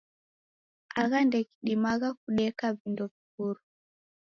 Agha ndeghidimagha kudeka vindo viw'uro!